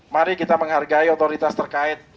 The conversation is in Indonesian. mari kita menghargai otoritas terkait